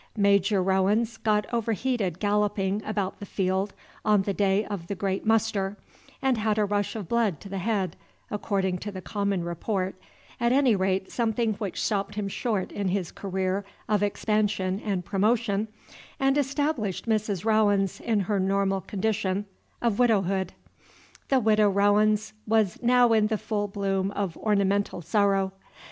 Major Rowens got overheated galloping about the field on the day of the Great Muster, and had a rush of blood to the head, according to the common report, at any rate, something which stopped him short in his career of expansion and promotion, and established Mrs. Rowens in her normal condition of widowhood. The Widow Rowens was now in the full bloom of ornamental sorrow.